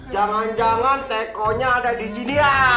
jangan jangan teko nya ada di sini ya